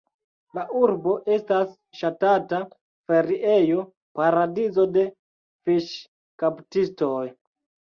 La urbo estas ŝatata feriejo, paradizo de fiŝkaptistoj.